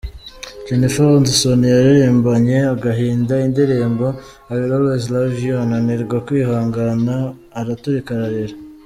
Jennifer Hudson yaririmbanye agahinda indirimbo I will always love you, ananirwa kwihangana araturika ararira.